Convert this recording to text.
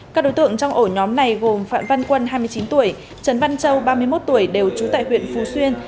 các đối tượng trong ổ nhóm này gồm phạm văn quân hai mươi chín tuổi trần văn châu ba mươi một tuổi đều trú tại huyện phú xuyên